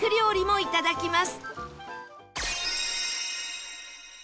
いただきます。